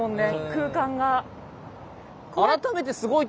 空間が。